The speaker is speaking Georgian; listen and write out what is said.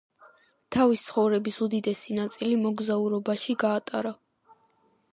თავის ცხოვრების უდიდესი ნაწილი მოგზაურობაში გაატარა.